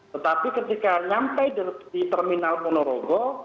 tetapi ketika nyampe di terminal ponorogo